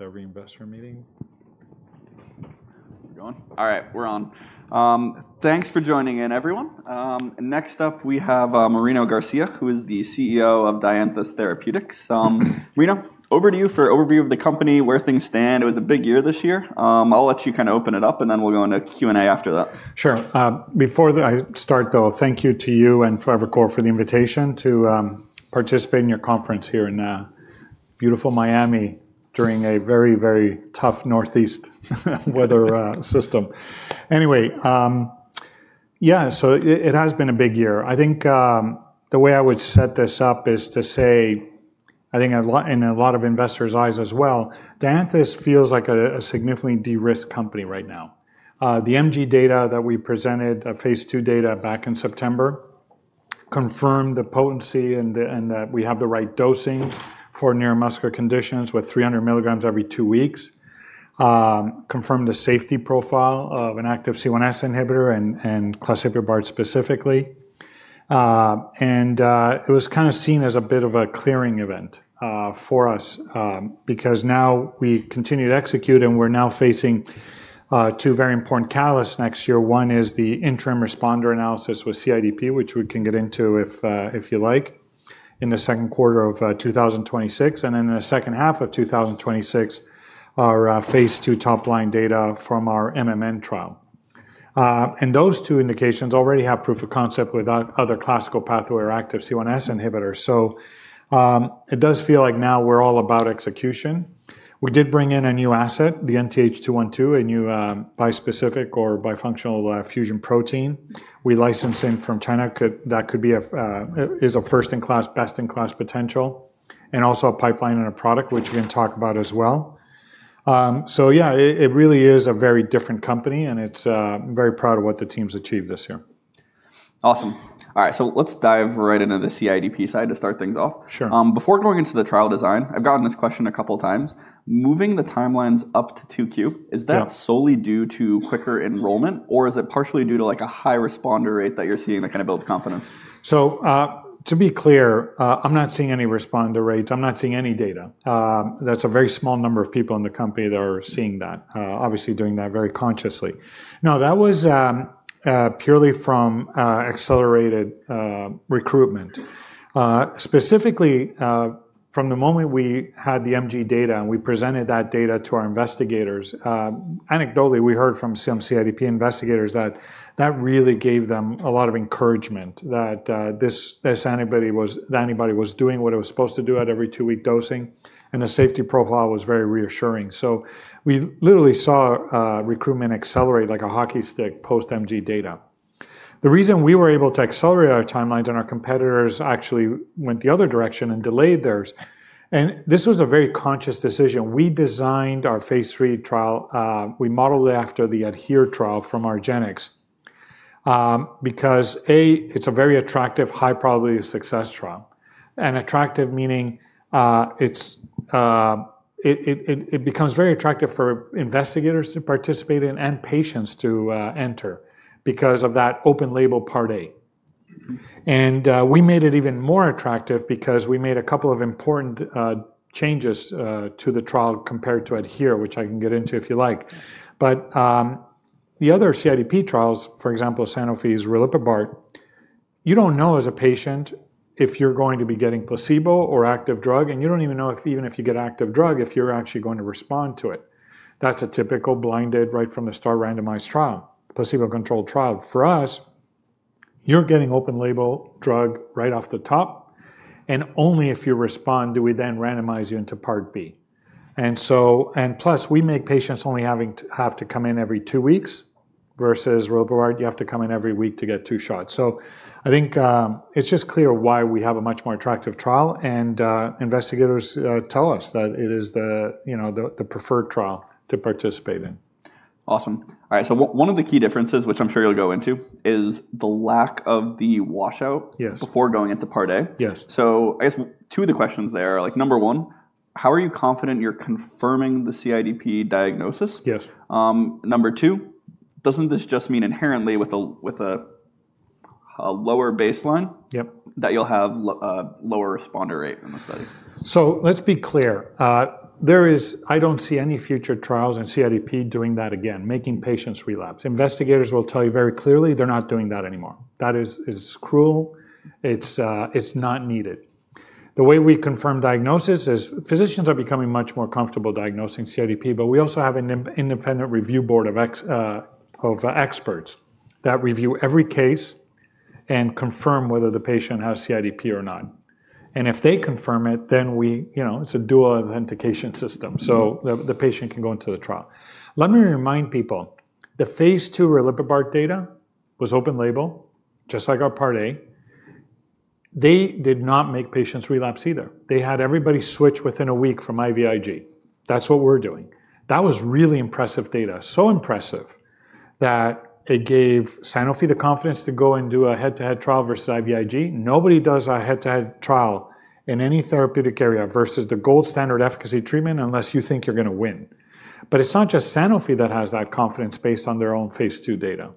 For the reimbursement meeting. We're on. All right, we're on. Thanks for joining in, everyone. Next up we have Marino Garcia, who is the CEO of Dianthus Therapeutics. Marino, over to you for an overview of the company, where things stand. It was a big year this year. I'll let you kind of open it up, and then we'll go into Q&A after that. Sure. Before I start, though, thank you to you and Evercore for the invitation to participate in your conference here in beautiful Miami during a very, very tough Northeast weather system. Anyway, yeah, so it has been a big year. I think the way I would set this up is to say I think in a lot of investors' eyes as well, Dianthus feels like a significantly de-risked company right now. The MG data that we presented, phase II data back in September, confirmed the potency and that we have the right dosing for neuromuscular conditions with 300 mg every two weeks. Confirmed the safety profile of an active C1s inhibitor and claseprubart specifically. It was kind of seen as a bit of a clearing event for us, because now we continue to execute and we're now facing two very important catalysts next year. One is the interim responder analysis with CIDP, which we can get into if you like, in the second quarter of 2026. And then in the second half of 2026, our phase II top line data from our MMN trial. And those two indications already have proof of concept without other classical pathway or active C1s inhibitors. So, it does feel like now we're all about execution. We did bring in a new asset, the NTH212, a new bispecific or bifunctional fusion protein. We licensed in from China. That could be a is a first in class, best in class potential, and also a pipeline and a product, which we can talk about as well. So yeah, it really is a very different company and it's very proud of what the team's achieved this year. Awesome. All right, so let's dive right into the CIDP side to start things off. Sure. Before going into the trial design, I've gotten this question a couple of times. Moving the timelines up to 2Q, is that solely due to quicker enrollment or is it partially due to like a high responder rate that you're seeing that kind of builds confidence? So, to be clear, I'm not seeing any responder rate. I'm not seeing any data. That's a very small number of people in the company that are seeing that, obviously doing that very consciously. Now, that was, purely from, accelerated, recruitment. Specifically, from the moment we had the MG data and we presented that data to our investigators, anecdotally we heard from some CIDP investigators that that really gave them a lot of encouragement that, this, this anybody was, that anybody was doing what it was supposed to do at every two week dosing. And the safety profile was very reassuring. So we literally saw, recruitment accelerate like a hockey stick post MG data. The reason we were able to accelerate our timelines and our competitors actually went the other direction and delayed theirs. And this was a very conscious decision. We designed our phase III trial. We modeled it after the ADHERE trial from argenx. Because A, it's a very attractive, high probability success trial. And attractive meaning, it's, it becomes very attractive for investigators to participate in and patients to enter because of that open-label part A. And we made it even more attractive because we made a couple of important changes to the trial compared to ADHERE, which I can get into if you like. But the other CIDP trials, for example, Sanofi's riliprubart, you don't know as a patient if you're going to be getting placebo or active drug, and you don't even know if even if you get active drug, if you're actually going to respond to it. That's a typical blinded right from the start randomized trial, placebo-controlled trial. For us, you're getting open label drug right off the top, and only if you respond do we then randomize you into part B. And so plus we make patients only having to come in every two weeks versus riliprubart, you have to come in every week to get two shots. So I think it's just clear why we have a much more attractive trial. And investigators tell us that it is the, you know, the preferred trial to participate in. Awesome. All right. So one of the key differences, which I'm sure you'll go into, is the lack of the washout. Yes. Before going into part A. Yes. So I guess two of the questions there are like, number one, how are you confident you're confirming the CIDP diagnosis? Yes. Number two, doesn't this just mean inherently with a lower baseline? Yep. That you'll have a lower responder rate in the study? So let's be clear. There is, I don't see any future trials in CIDP doing that again, making patients relapse. Investigators will tell you very clearly, they're not doing that anymore. That is cruel. It's not needed. The way we confirm diagnosis is physicians are becoming much more comfortable diagnosing CIDP, but we also have an independent review board of experts that review every case and confirm whether the patient has CIDP or not. And if they confirm it, then we, you know, it's a dual authentication system. So the patient can go into the trial. Let me remind people, the phase II riliprubart data was open label, just like our part A. They did not make patients relapse either. They had everybody switch within a week from IVIg. That's what we're doing. That was really impressive data. So impressive that it gave Sanofi the confidence to go and do a head-to-head trial versus IVIg. Nobody does a head-to-head trial in any therapeutic area versus the gold standard efficacy treatment unless you think you're going to win. But it's not just Sanofi that has that confidence based on their own phase II data.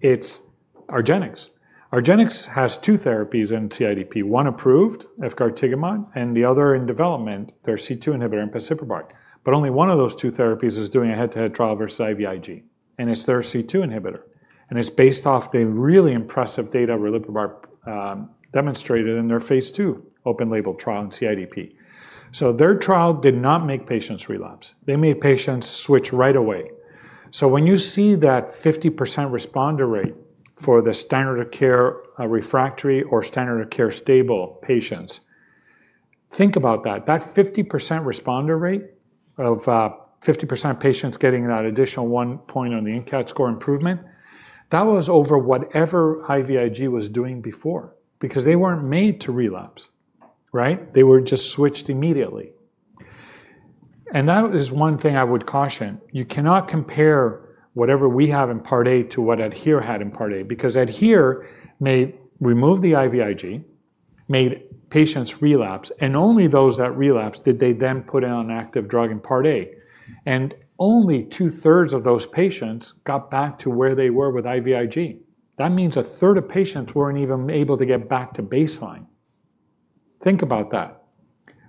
It's our genetics. Our genetics has two therapies in CIDP, one approved, efgartigimod, and the other in development, their C2 inhibitor empasiprubart. But only one of those two therapies is doing a head-to-head trial versus IVIg. And it's their C2 inhibitor. And it's based off the really impressive data riliprubart demonstrated in their phase II open label trial in CIDP. So their trial did not make patients relapse. They made patients switch right away. So when you see that 50% responder rate for the standard of care refractory or standard of care stable patients, think about that. That 50% responder rate of 50% patients getting that additional one point on the INCAT score improvement, that was over whatever IVIg was doing before, because they weren't made to relapse, right? They were just switched immediately. And that is one thing I would caution. You cannot compare whatever we have in part A to what ADHERE had in part A, because ADHERE made, removed the IVIg, made patients relapse, and only those that relapsed did they then put in an active drug in part A. And only 2/3 of those patients got back to where they were with IVIg. That means a third of patients weren't even able to get back to baseline. Think about that.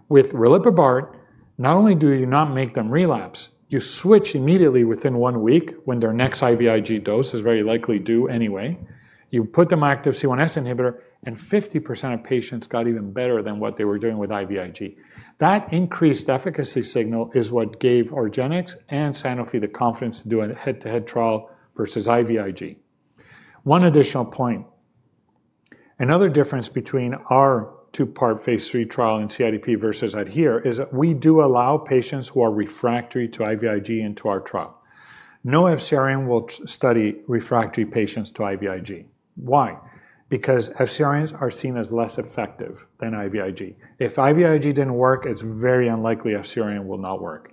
With riliprubart, not only do you not make them relapse, you switch immediately within one week when their next IVIg dose is very likely due anyway. You put them on active C1s inhibitor and 50% of patients got even better than what they were doing with IVIg. That increased efficacy signal is what gave argenx and Sanofi the confidence to do a head-to-head trial versus IVIg. One additional point, another difference between our two-part phase III trial in CIDP versus ADHERE is that we do allow patients who are refractory to IVIg into our trial. No FcRn will study refractory patients to IVIg. Why? Because FcRns are seen as less effective than IVIg. If IVIg didn't work, it's very unlikely FcRn will not work.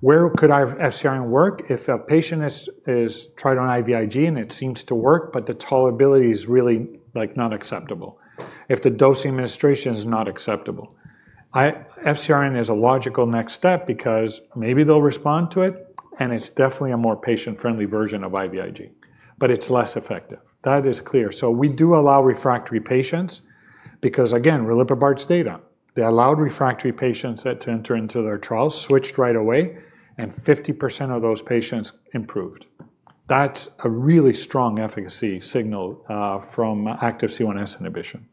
Where could FcRn work if a patient is tried on IVIg and it seems to work, but the tolerability is really like not acceptable? If the dose administration is not acceptable, if FcRn is a logical next step because maybe they'll respond to it and it's definitely a more patient-friendly version of IVIg, but it's less effective. That is clear. So we do allow refractory patients because again, riliprubart's data, they allowed refractory patients to enter into their trial, switched right away, and 50% of those patients improved. That's a really strong efficacy signal from active C1s inhibition.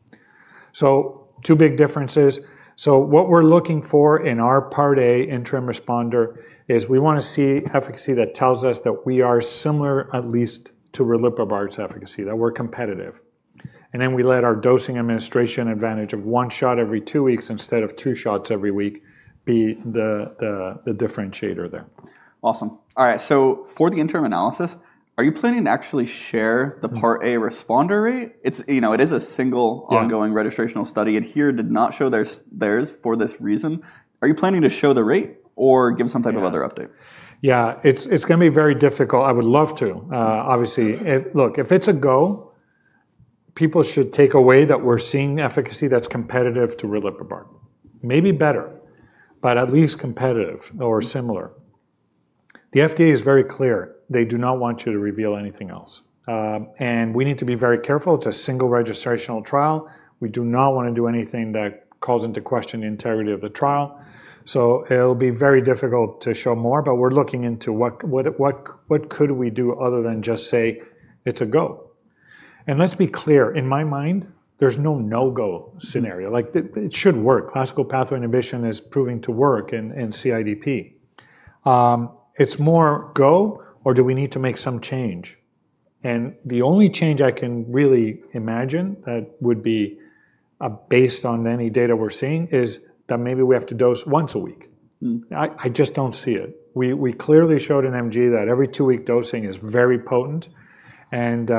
So two big differences. So what we're looking for in our part A interim responder is we want to see efficacy that tells us that we are similar at least to riliprubart's efficacy, that we're competitive. And then we let our dosing administration advantage of one shot every two weeks instead of two shots every week be the differentiator there. Awesome. All right. So for the interim analysis, are you planning to actually share the part A responder rate? It's, you know, it is a single ongoing registrational study. ADHERE did not show theirs, theirs for this reason. Are you planning to show the rate or give some type of other update? Yeah, it's going to be very difficult. I would love to. Obviously, look, if it's a go, people should take away that we're seeing efficacy that's competitive to riliprubart. Maybe better, but at least competitive or similar. The FDA is very clear. They do not want you to reveal anything else. And we need to be very careful. It's a single registrational trial. We do not want to do anything that calls into question the integrity of the trial. So it'll be very difficult to show more, but we're looking into what could we do other than just say it's a go. And let's be clear, in my mind, there's no no-go scenario. Like it should work. Classical pathway inhibition is proving to work in CIDP. It's more go or do we need to make some change? The only change I can really imagine that would be based on any data we're seeing is that maybe we have to dose once a week. I just don't see it. We clearly showed in MG that every two week dosing is very potent and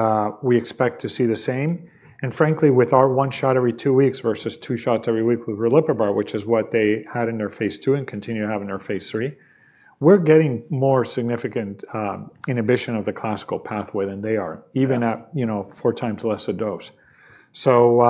we expect to see the same. And frankly, with our one shot every two weeks versus two shots every week with riliprubart, which is what they had in their phase II and continue to have in their phase III, we're getting more significant inhibition of the classical pathway than they are, even at, you know, four times less a dose. So,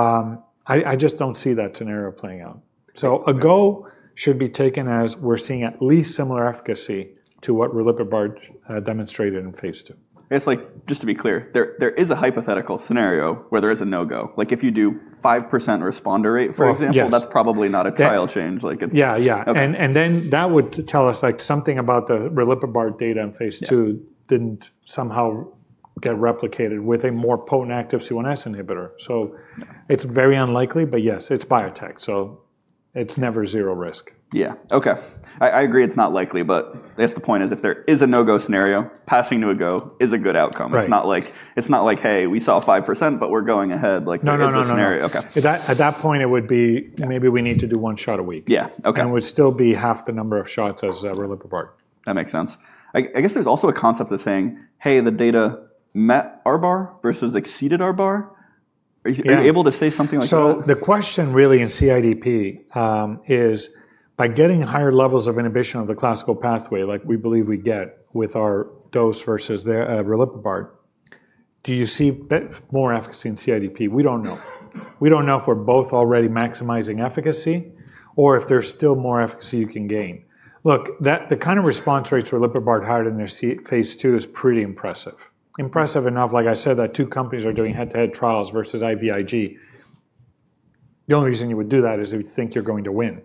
I just don't see that scenario playing out. So a go should be taken as we're seeing at least similar efficacy to what riliprubart demonstrated in phase II. It's like, just to be clear, there is a hypothetical scenario where there is a no-go. Like if you do 5% responder rate, for example, that's probably not a trial change. Like it's. Yeah, yeah. And then that would tell us like something about the riliprubart data in phase II didn't somehow get replicated with a more potent active C1s inhibitor. So it's very unlikely, but yes, it's biotech. So it's never zero risk. Yeah. Okay. I agree it's not likely, but that's the point is if there is a no-go scenario, passing to a go is a good outcome. It's not like, it's not like, hey, we saw 5%, but we're going ahead like the next scenario. Okay. At that point, it would be maybe we need to do one shot a week. Yeah. Okay. And we'd still be half the number of shots as riliprubart. That makes sense. I, I guess there's also a concept of saying, hey, the data met our bar versus exceeded our bar. Are you able to say something like that? So the question really in CIDP is by getting higher levels of inhibition of the classical pathway, like we believe we get with our dose versus the riliprubart, do you see more efficacy in CIDP? We don't know. We don't know if we're both already maximizing efficacy or if there's still more efficacy you can gain. Look, that the kind of response rates riliprubart had in their phase II is pretty impressive. Impressive enough, like I said, that two companies are doing head-to-head trials versus IVIg. The only reason you would do that is if you think you're going to win.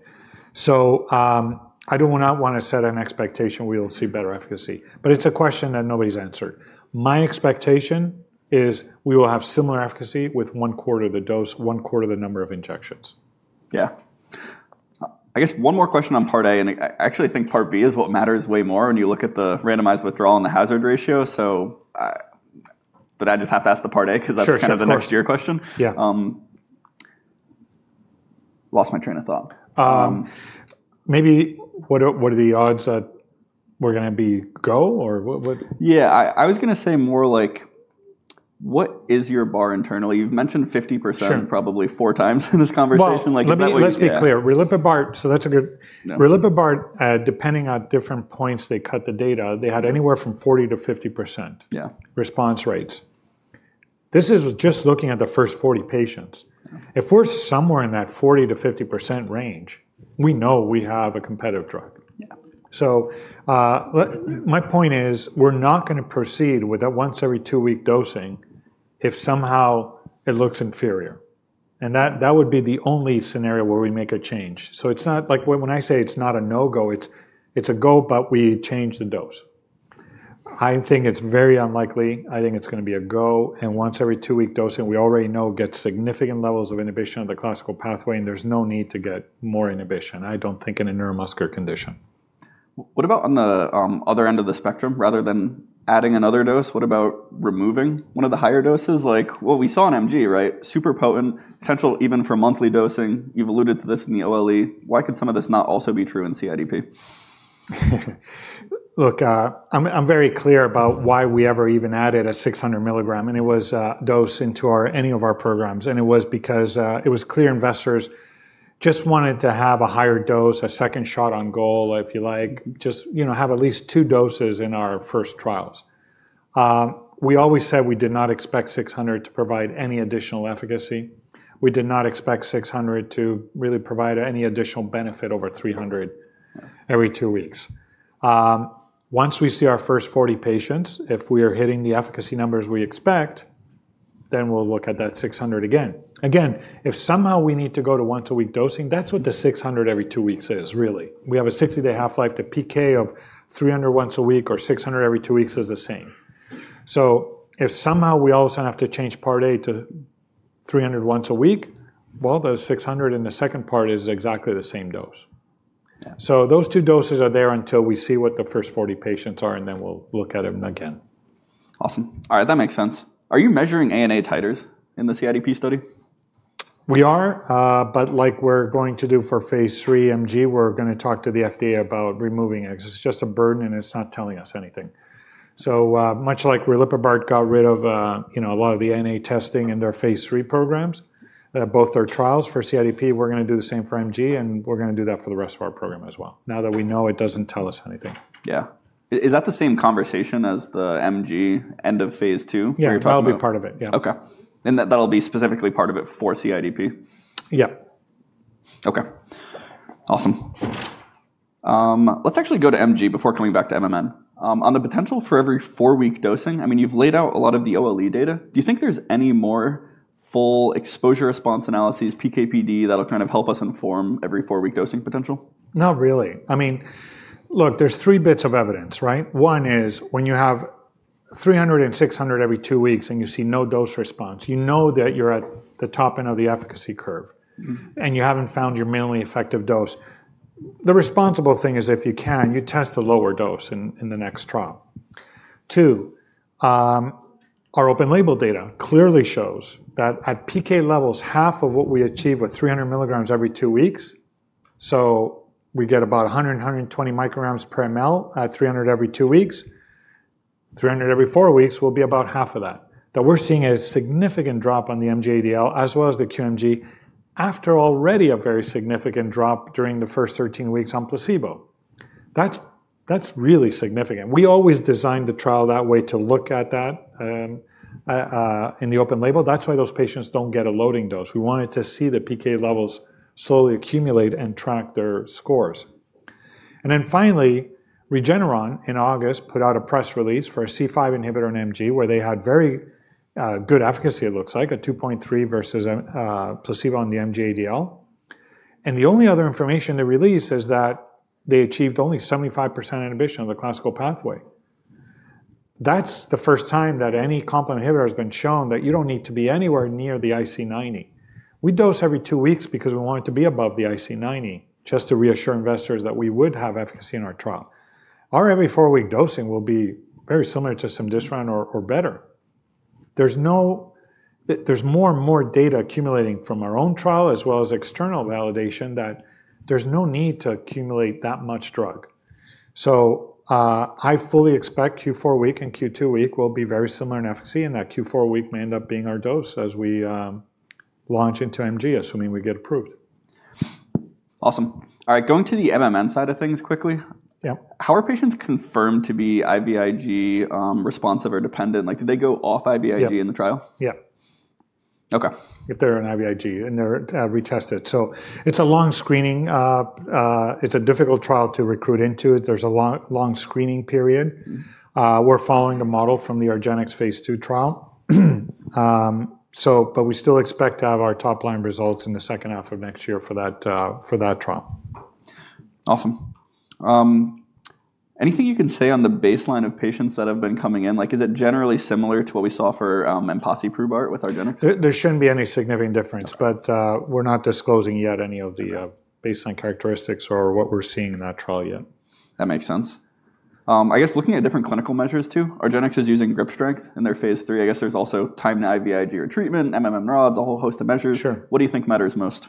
I do not want to set an expectation we'll see better efficacy, but it's a question that nobody's answered. My expectation is we will have similar efficacy with one quarter of the dose, one quarter of the number of injections. Yeah. I guess one more question on part A, and I actually think part B is what matters way more when you look at the randomized withdrawal and the hazard ratio. So, but I just have to ask the part A because that's kind of the next year question. Sure. Yeah. Lost my train of thought. Maybe what are the odds that we're going to be go or what? Yeah, I was going to say more like, what is your bar internally? You've mentioned 50% probably four times in this conversation. Let's be clear. Riliprubart, depending on different points they cut the data, they had anywhere from 40% to 50%. Yeah. Response rates. This is just looking at the first 40 patients. If we're somewhere in that 40%-50% range, we know we have a competitive drug, so my point is we're not going to proceed with that once every two-week dosing if somehow it looks inferior, and that, that would be the only scenario where we make a change, so it's not like, when I say it's not a no-go, it's, it's a go, but we change the dose. I think it's very unlikely. I think it's going to be a go, and once every two-week dosing, we already know gets significant levels of inhibition of the classical pathway and there's no need to get more inhibition. I don't think in a neuromuscular condition. What about on the other end of the spectrum rather than adding another dose? What about removing one of the higher doses? Like what we saw in MG, right? Super potent potential even for monthly dosing. You've alluded to this in the OLE. Why could some of this not also be true in CIDP? Look, I'm very clear about why we ever even added a 600 mg and it was dosed into any of our programs. And it was because it was clear investors just wanted to have a higher dose, a second shot on goal, if you like, just, you know, have at least two doses in our first trials. We always said we did not expect 600 mg to provide any additional efficacy. We did not expect 600 mg to really provide any additional benefit over 300 mg every two weeks. Once we see our first 40 patients, if we are hitting the efficacy numbers we expect, then we'll look at that 600 mg again. Again, if somehow we need to go to once a week dosing, that's what the 600 mg every two weeks is really. We have a 60-day half-life to PK of 300 mg once a week or 600 mg every two weeks is the same. So if somehow we also have to change part A to 300 mg once a week, well, the 600 mg in the second part is exactly the same dose. So those two doses are there until we see what the first 40 patients are and then we'll look at them again. Awesome. All right. That makes sense. Are you measuring ANA titers in the CIDP study? We are, but like we're going to do for phase III MG, we're going to talk to the FDA about removing it. It's just a burden and it's not telling us anything. So, much like riliprubart got rid of, you know, a lot of the ANA testing in their phase III programs, both their trials for CIDP, we're going to do the same for MG and we're going to do that for the rest of our program as well. Now that we know it doesn't tell us anything. Yeah. Is that the same conversation as the MG end of phase II? Yeah, that'll be part of it. Yeah. Okay. And that'll be specifically part of it for CIDP? Yeah. Okay. Awesome. Let's actually go to MG before coming back to MMN. On the potential for every four-week dosing, I mean, you've laid out a lot of the OLE data. Do you think there's any more full exposure response analyses, PK/PD, that'll kind of help us inform every four-week dosing potential? Not really. I mean, look, there's three bits of evidence, right? One is when you have 300 mg and 600 mg every two weeks and you see no dose response, you know that you're at the top end of the efficacy curve and you haven't found your minimally effective dose. The responsible thing is if you can, you test the lower dose in the next trial. Two, our open label data clearly shows that at PK levels, half of what we achieve with 300 mg every two weeks. So we get about 100 μg and 120 μg per mL at 300 mg every two weeks. 300 mg every four weeks will be about half of that. That we're seeing a significant drop on the MG-ADL as well as the QMG after already a very significant drop during the first 13 weeks on placebo. That's really significant. We always designed the trial that way to look at that, in the open label. That's why those patients don't get a loading dose. We wanted to see the PK levels slowly accumulate and track their scores. And then finally, Regeneron in August put out a press release for a C5 inhibitor in MG where they had very good efficacy, it looks like, a 2.3 versus a placebo on the MG-ADL. And the only other information they released is that they achieved only 75% inhibition of the classical pathway. That's the first time that any complement inhibitor has been shown that you don't need to be anywhere near the IC90. We dose every two weeks because we want it to be above the IC90 just to reassure investors that we would have efficacy in our trial. Our every four-week dosing will be very similar to cemdisiran or better. There's more and more data accumulating from our own trial as well as external validation that there's no need to accumulate that much drug. So, I fully expect Q4 week and Q2 week will be very similar in efficacy and that Q4 week may end up being our dose as we launch into MG assuming we get approved. Awesome. All right. Going to the MMN side of things quickly. Yeah. How are patients confirmed to be IVIg responsive or dependent? Like, do they go off IVIg in the trial? Yeah. Okay. If they're on IVIg and they're retested, so it's a long screening. It's a difficult trial to recruit into it. There's a long, long screening period. We're following the model from the argenx phase II trial, so but we still expect to have our top-line results in the second half of next year for that, for that trial. Awesome. Anything you can say on the baseline of patients that have been coming in? Like, is it generally similar to what we saw for empasiprubart with argenx? There shouldn't be any significant difference, but we're not disclosing yet any of the baseline characteristics or what we're seeing in that trial yet. That makes sense. I guess looking at different clinical measures too, argenx is using grip strength in their phase III. I guess there's also time to IVIg or treatment, RODS, a whole host of measures. Sure. What do you think matters most?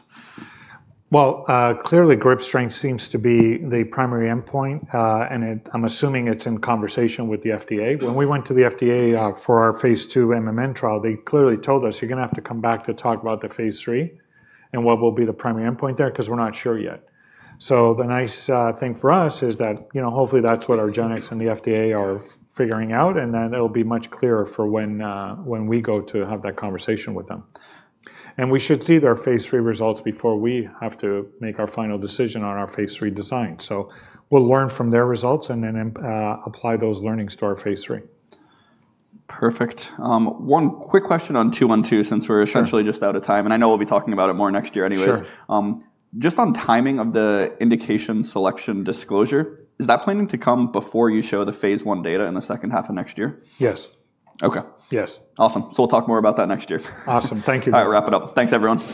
Clearly grip strength seems to be the primary endpoint, and I'm assuming it's in conversation with the FDA. When we went to the FDA for our phase II MMN trial, they clearly told us you're going to have to come back to talk about the phase III and what will be the primary endpoint there because we're not sure yet. So the nice thing for us is that you know, hopefully that's what argenx and the FDA are figuring out and then it'll be much clearer for when we go to have that conversation with them, and we should see their phase III results before we have to make our final decision on our phase III design, so we'll learn from their results and then apply those learnings to our phase III. Perfect. One quick question on 212 since we're essentially just out of time, and I know we'll be talking about it more next year anyways. Sure. Just on timing of the indication selection disclosure, is that planning to come before you show the phase I data in the second half of next year? Yes. Okay. Yes. Awesome. So we'll talk more about that next year. Awesome. Thank you. All right. Wrap it up. Thanks everyone.